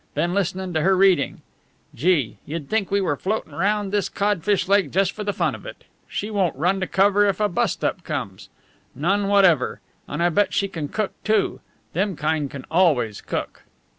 Been listenin' to her readin'. Gee, you'd think we were floatin' round this codfish lake just for the fun of it! She won't run to cover if a bust up comes. None whatever! And I bet she can cook, too. Them kind can always cook."